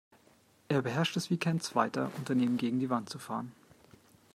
Er beherrscht es wie kein Zweiter, Unternehmen gegen die Wand zu fahren.